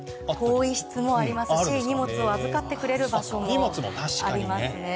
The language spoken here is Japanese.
更衣室もありますし荷物を預かってくれる場所もありますね。